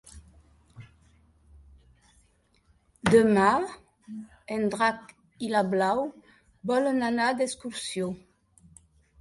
Demà en Drac i na Blau volen anar d'excursió.